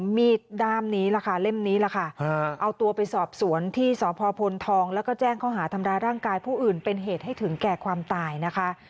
มีดด้ามนี้ล่ะค่ะเล่มนี้ล่ะค่ะเอาตัวไปสอบสวนที่สพพลทองแล้วก็แจ้งข้อหาทำร้ายร่างกายผู้อื่นเป็นเหตุให้ถึงแก่ความตายนะคะ